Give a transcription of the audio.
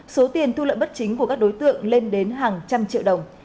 số tiền thu lợi bất chính của các đối tượng lên đến hàng trăm triệu đồng